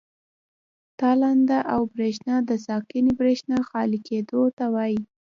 تالنده او برېښنا د ساکنې برېښنا خالي کېدو ته وایي.